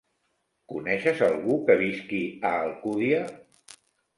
Coneixes algú que visqui a Alcúdia?